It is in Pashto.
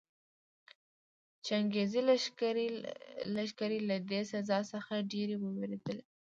چنګېزي لښکرې له دې سزا څخه ډېرې ووېرېدلې.